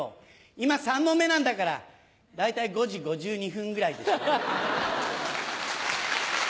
今３問目なんだから大体５時５２分ぐらいでしょ。